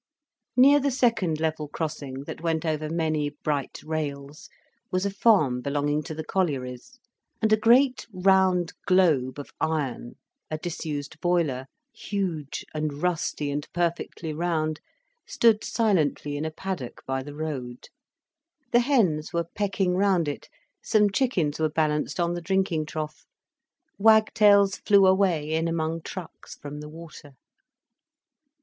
Near the second level crossing, that went over many bright rails, was a farm belonging to the collieries, and a great round globe of iron, a disused boiler, huge and rusty and perfectly round, stood silently in a paddock by the road. The hens were pecking round it, some chickens were balanced on the drinking trough, wagtails flew away in among trucks, from the water.